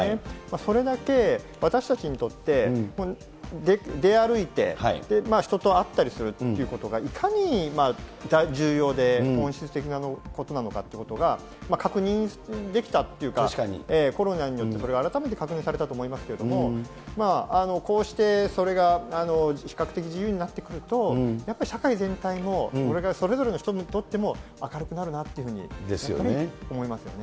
それだけ私たちにとって、出歩いて人と会ったりするということがいかに重要で本質的なことなのかっていうことが確認できたというか、コロナによってそれが改めて確認されたと思いますけれども、こうしてそれが比較的自由になってくると、やっぱり社会全体も、これからそれぞれの人にとっても明るくなるなというふうに思いますよね。